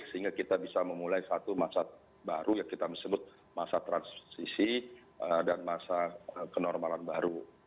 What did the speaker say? sehingga kita bisa memulai satu masa baru yang kita sebut masa transisi dan masa kenormalan baru